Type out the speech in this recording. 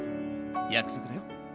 約束だよ。